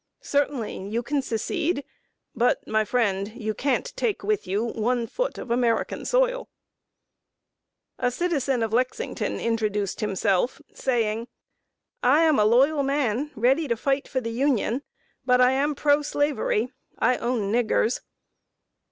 Certainly you can secede. But, my friend, you can't take with you one foot of American soil!" [Sidenote: MISSOURI AND THE SLAVEHOLDERS.] A citizen of Lexington introduced himself, saying: "I am a loyal man, ready to fight for the Union; but I am pro slavery I own niggers."